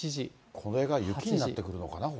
これが雪になってくるのかな？